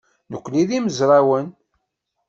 Nekkni d imezrawen.